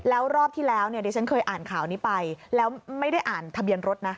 แล้วรอบที่แล้วเนี่ยดิฉันเคยอ่านข่าวนี้ไปแล้วไม่ได้อ่านทะเบียนรถนะ